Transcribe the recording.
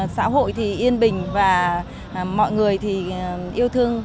xã hội thì yên bình và mọi người thì yêu thương